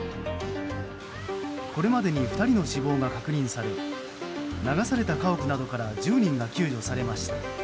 これまでに２人の死亡が確認され流された家屋などから１０人が救助されました。